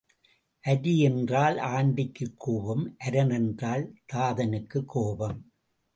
அரி என்றால் ஆண்டிக்குக் கோபம் அரன் என்றால் தாதனுக்குக் கோபம்.